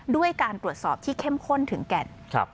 ด้วยการตรวจสอบที่เข้มข้นถึงแก่น